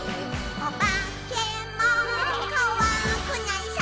「おばけもこわくないさ」